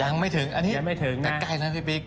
ยังไม่ถึงอันนี้ก็ใกล้แล้วพี่บิ๊ก